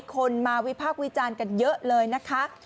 คนมาวิพากษ์วิจารณ์กันเยอะเลยนะคะ